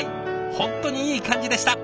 本当にいい感じでした。